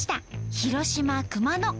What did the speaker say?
広島熊野。